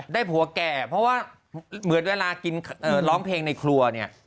ผัวแก่เพราะว่าเหมือนเวลากินร้องเพลงในครัวเนี่ย